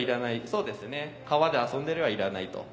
そうですね「川で遊んでる」はいらないと。